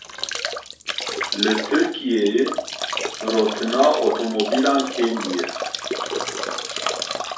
Li Tirkiyeyê firotina otomobîlan kêm bûye.